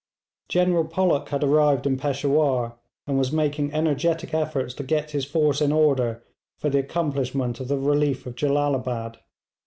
General Pollock had arrived in Peshawur, and was making energetic efforts to get his force in order for the accomplishment of the relief of Jellalabad.